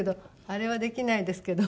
あれはできないですけど。